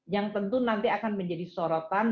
yang tentu nanti akan menjadi sorotan